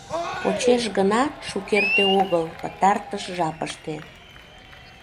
Почеш гана — шукерте огыл, пытартыш жапыште.